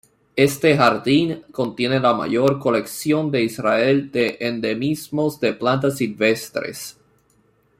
Este jardín contiene la mayor colección de Israel de endemismos de plantas silvestres.